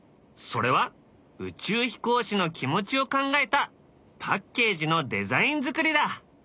それは宇宙飛行士の気持ちを考えたパッケージのデザイン作りだ。